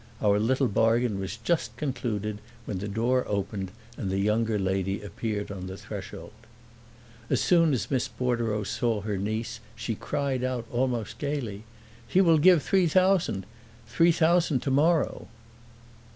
Our little bargain was just concluded when the door opened and the younger lady appeared on the threshold. As soon as Miss Bordereau saw her niece she cried out almost gaily, "He will give three thousand three thousand tomorrow!"